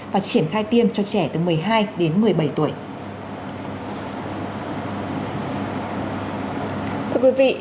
và triển khai tiêm cho trẻ từ một mươi hai đến một mươi bảy tuổi